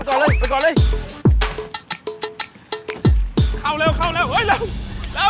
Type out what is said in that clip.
เข้าเร็วว้าวเร็ว